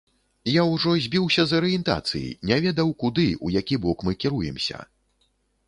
Я ўжо збіўся з арыентацыі, не ведаў, куды, у які бок мы кіруемся.